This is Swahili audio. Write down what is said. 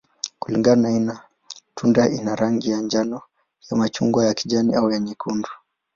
Kulingana na aina, tunda ina rangi ya njano, ya machungwa, ya kijani, au nyekundu.